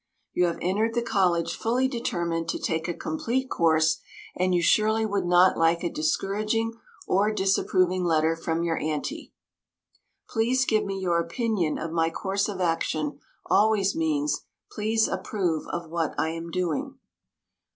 You have entered the college fully determined to take a complete course, and you surely would not like a discouraging or disapproving letter from your auntie. "Please give me your opinion of my course of action" always means, "Please approve of what I am doing."